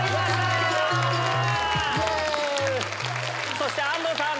そして安藤さん